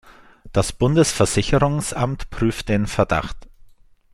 Das Bundesversicherungsamt prüft den Verdacht.